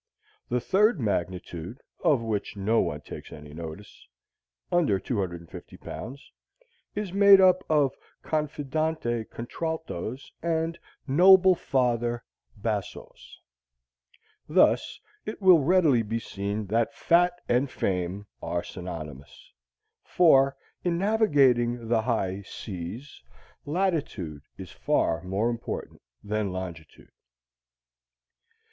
The third magnitude (of which no one takes any notice) under 250 pounds is made up of "confidante" contraltos and "noble father" bassos. Thus, it will readily be seen that fat and fame are synonymous. For, in navigating the high C's, latitude is far more important than longitude.